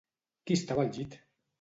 Qui estava al llit?